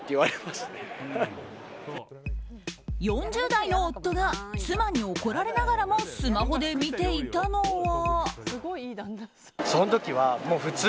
４０代の夫が妻に怒られながらもスマホで見ていたのは。